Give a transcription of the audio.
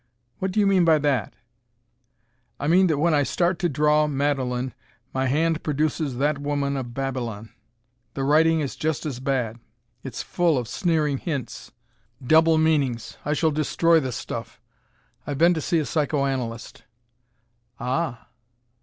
"What do you mean by that?" "I mean that when I start to draw Madelon my hand produces that woman of Babylon! The writing is just as bad. It's full of sneering hints, double meanings ... I shall destroy the stuff. I've been to see a psycho analyst." "Ah!"